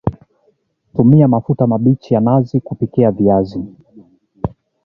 Tumia mafuta mabichi ya nazi klupikia viazi